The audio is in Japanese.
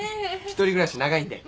一人暮らし長いんで。